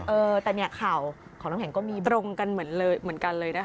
เออแต่เนี่ยข่าวของน้ำแข็งก็มีตรงกันเหมือนกันเลยนะคะ